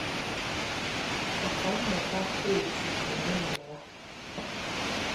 Ọkammụta Kate Omenụgha